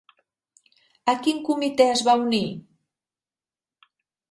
A quin comitè es va unir?